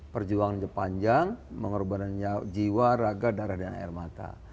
perjuangan panjang mengorbankan jiwa raga darah dan air mata